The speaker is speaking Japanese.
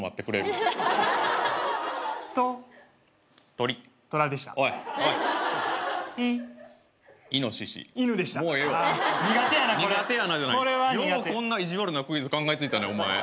ようこんな意地悪なクイズ考えついたね。